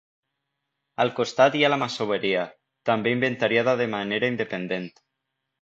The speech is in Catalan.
Al costat hi ha la masoveria, també inventariada de manera independent.